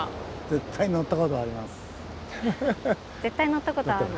絶対乗ったことある。